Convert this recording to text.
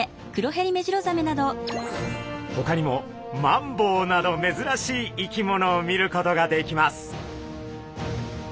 ほかにもマンボウなどめずらしい生き物を見ることができます。